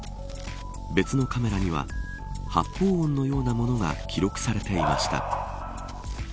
別のカメラには発砲音のようなものが記録されていました。